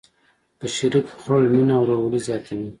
په شریکه خوړل مینه او ورورولي زیاتوي.